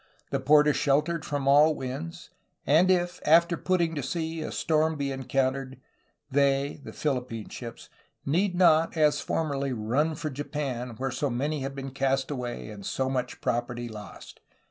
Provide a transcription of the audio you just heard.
This port is sheltered from all winds ... [and] if, after putting to sea, a storm be encountered, they [the Philippine ships] need not, as formerly, run for Japan, where so many have been cast away and so much property lost."